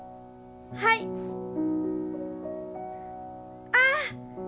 はい！ああ！